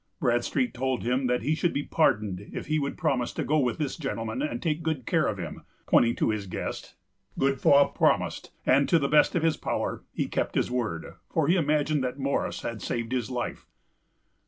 Bradstreet told him that he should be pardoned if he would promise to "go with this gentleman, and take good care of him," pointing to his guest. Godefroy promised; and, to the best of his power, he kept his word, for he imagined that Morris had saved his life.